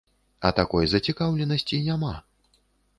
А такой зацікаўленасці няма.